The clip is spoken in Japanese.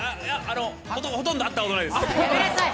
ほとんど会ったことないです。